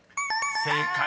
［正解。